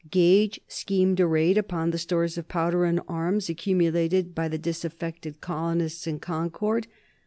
Gage schemed a raid upon the stores of powder and arms accumulated by the disaffected colonists in Concord.